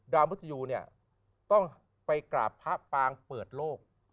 มุทยูเนี่ยต้องไปกราบพระปางเปิดโลก